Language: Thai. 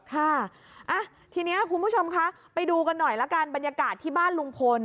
ค่ะทีนี้คุณผู้ชมคะไปดูกันหน่อยละกันบรรยากาศที่บ้านลุงพล